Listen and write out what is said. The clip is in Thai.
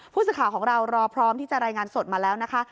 ผู้สื่อข่าวของเรารอพร้อมที่จะรายงานสดมาแล้วนะคะ